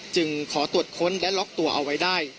จึงขอตรวจค้นและล็อกตัวเอาไว้ได้